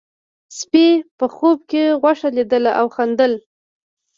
سپي په خوب کې غوښه لیدله او خندل.